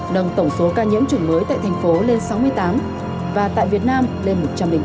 nâng tổng số ca nhiễm chủng mới tại thành phố lên sáu mươi tám và tại việt nam lên một trăm linh ca